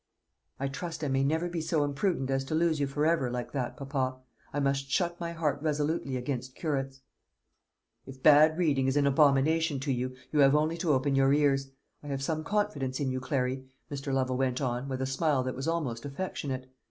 "I trust I may never be so imprudent as to lose you for ever, like that, papa. I must shut my heart resolutely against curates." "If bad reading is an abomination to you, you have only to open your ears. I have some confidence in you, Clary," Mr. Lovel went on, with a smile that was almost affectionate.